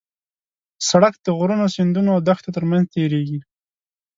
سړک د غرونو، سیندونو او دښتو ترمنځ تېرېږي.